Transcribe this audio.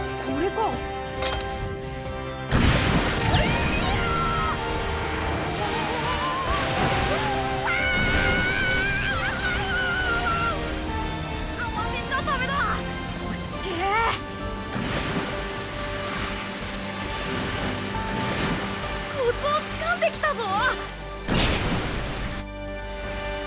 コツをつかんできたぞ！